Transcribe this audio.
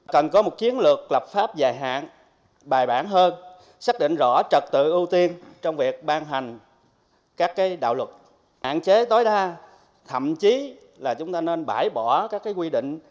cần có một kiến lược lập pháp dài hạn bài bản